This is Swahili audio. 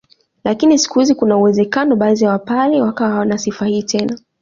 Lakini siku hizi kuna uwezekano baadhi ya wapare wakawa hawana sifa hii tena